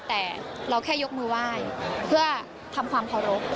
แต่เราแค่ยกมือไหว้เพื่อทำความเคารพ